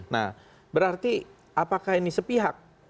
nah berarti apakah ini sepihak